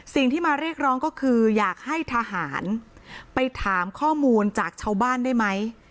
สิ่งที่มาเรียกร้องก็คืออยากให้ทหารไปถามข้อมูลจากชาวบ้านได้ไหม